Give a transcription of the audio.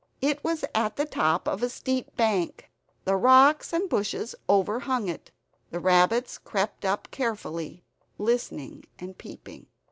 It was at the top of a steep bank; the rocks and bushes overhung it. The rabbits crept up carefully, listening and peeping.